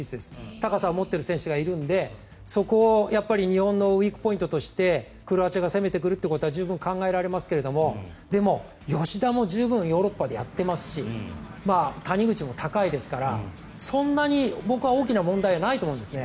高さを持ってる選手がいるのでそこを日本のウィークポイントとしてクロアチアが攻めてくることは十分考えられますがでも、吉田も十分ヨーロッパでやっていますし谷口も高いですからそんなに大きな問題じゃないと僕は思うんですね。